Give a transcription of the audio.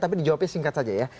tapi dijawabnya singkat saja ya